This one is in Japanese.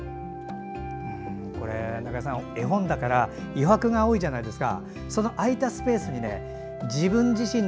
中江さん、絵本だから余白が多いじゃないですか。